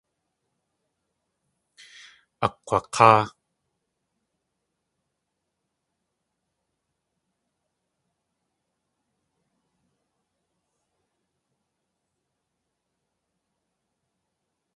Akg̲wak̲áa.